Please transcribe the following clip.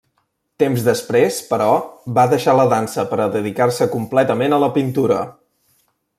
Temps després, però, va deixar la dansa per a dedicar-se completament a la pintura.